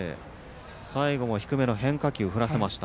最後も低めの変化球振らせました。